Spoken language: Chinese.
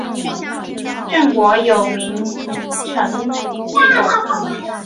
郑国有名臣祭仲。